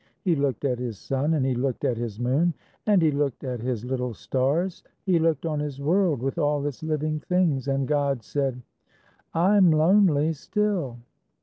He looked at His sun, And He looked at His moon, 'And He looked at His little stars; He looked on His world With all its living things, And God said, _"I'm lonely still."